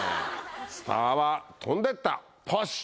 スターは飛んでったポシュ！